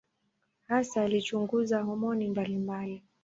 Hasa alichunguza homoni mbalimbali.